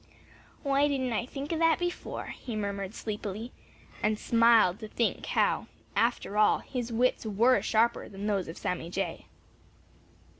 "Why didn't I think of that before?" he murmured sleepily and smiled to think how, after all, his wits were sharper than those of Sammy Jay.